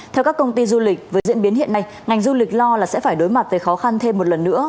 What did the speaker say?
theo các công ty du lịch với diễn biến hiện nay ngành du lịch lo là sẽ phải đối mặt với khó khăn thêm một lần nữa